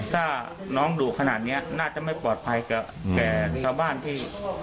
ถ้าน้องดุขนาดนี้น่าจะไม่ปลอดภัยกับแก่ชาวบ้านที่